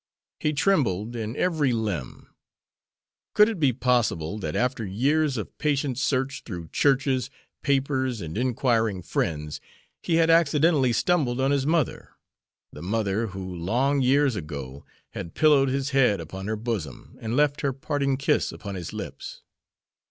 He trembled in every limb. Could it be possible that after years of patient search through churches, papers, and inquiring friends, he had accidentally stumbled on his mother the mother who, long years ago, had pillowed his head upon her bosom and left her parting kiss upon his lips?